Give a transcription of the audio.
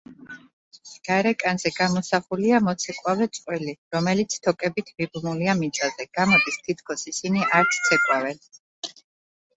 გარეკანზე გამოსახულია მოცეკვავე წყვილი, რომელიც თოკებით მიბმულია მიწაზე, გამოდის, თითქოს ისინი არც ცეკვავენ.